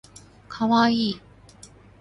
かわいい